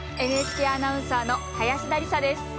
ＮＨＫアナウンサーの林田理沙です。